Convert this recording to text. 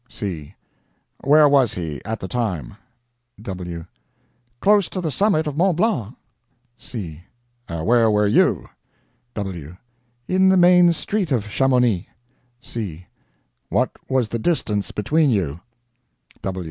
C. Where was he, at the time? W. Close to the summit of Mont Blanc. C. Where were you? W. In the main street of Chamonix. C. What was the distance between you?